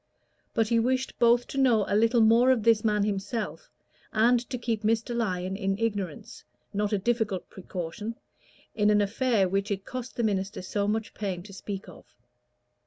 But he wished both to know a little more of this man himself, and to keep Mr. Lyon in ignorance not a difficult precaution in an affair which it cost the minister so much pain to speak of.